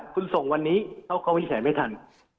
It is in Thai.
คุณส่งวันนี้เข้าเข้าวิแขไม่ทัน